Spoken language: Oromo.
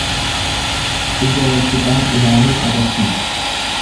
lja wal qixaan ilaaluu agarsiisa.